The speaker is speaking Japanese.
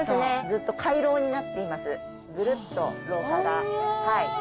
ずっと回廊になっていますぐるっと廊下が。